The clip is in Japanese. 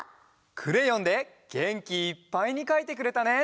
クレヨンでげんきいっぱいにかいてくれたね。